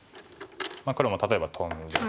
黒も例えばトンで。